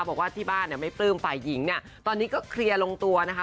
บอกว่าที่บ้านไม่ปลื้มไฟหญิงตอนนี้ก็เคลียร์ลงตัวนะคะ